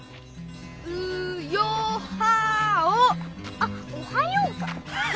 あ「おはよう」かあ。